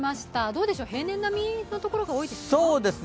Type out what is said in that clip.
どうでしょう、平年並みのところが多いですか？